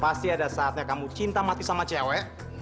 pasti ada saatnya kamu cinta mati sama cewek